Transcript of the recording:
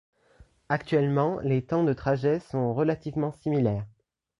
Actuellement, les temps de trajet sont relativement similaires.